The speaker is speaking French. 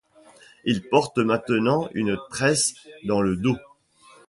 Il porte maintenant une tresse dans le dos.